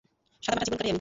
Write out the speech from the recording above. সাদামাটা জীবন কাটাই আমি।